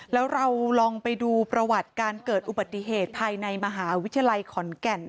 แล้วเราลองไปดูประวัติการเกิดอุบัติเหตุภายในมหาวิทยาลัยขอนแก่น